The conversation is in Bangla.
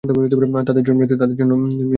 তাদের জন্য মৃত্যু।